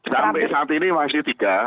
sampai saat ini masih tiga